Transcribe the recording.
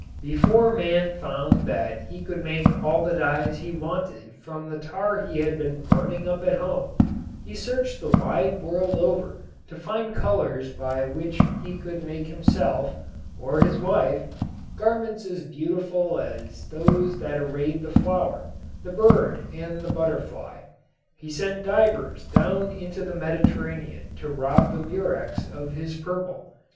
Before man found that he could make all the dyes he wanted from the tar he had been burning up at home he searched the wide world over to find colors by which he could make himself or his wife garments as beautiful as those that arrayed the flower, the bird and the butterfly. He sent divers down into the Mediterranean to rob the murex of his purple.